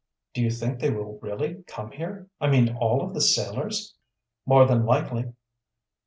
"Do you think they will really come here I mean all of the sailors?" "More than likely."